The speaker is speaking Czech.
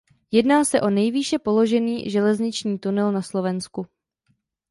Jedná se o nejvýše položený železniční tunel na Slovensku.